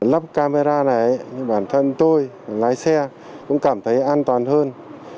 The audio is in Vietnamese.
lắp camera này bản thân tôi lái xe cũng cảm thấy an toàn hơn